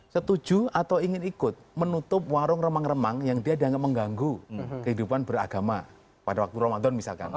setuju atau ingin ikut menutup warung remang remang yang dia dianggap mengganggu kehidupan beragama pada waktu ramadan misalkan